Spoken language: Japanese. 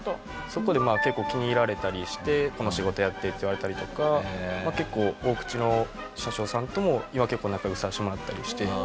そこで結構気に入られたりして「この仕事やって」って言われたりとか結構大口の社長さんとも今結構仲良くさせてもらったりして。